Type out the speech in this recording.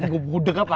gue muda gak pak